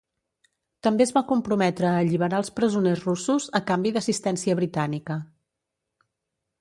També es va comprometre a alliberar als presoners russos a canvi d'assistència britànica.